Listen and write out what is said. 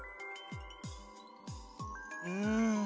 うん。